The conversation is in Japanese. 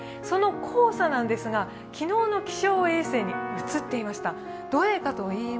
その黄砂なんですが昨日の気象衛星に写っていました。